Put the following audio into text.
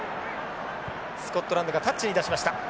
スコットランドがタッチに出しました。